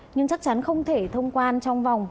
nhưng chắc chắn không thể thông quan trong vòng